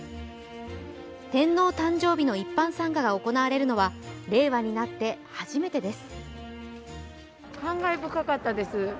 天皇誕生日の一般参賀が行われるのは令和になって初めてです。